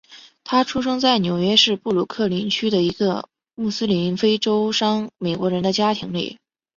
他出生在纽约市布鲁克林区的一个穆斯林非洲裔美国人的家庭里。